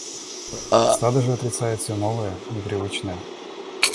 Стадо же отрицает все новое, непривычное.